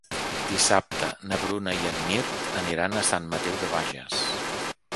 Dissabte na Bruna i en Mirt aniran a Sant Mateu de Bages.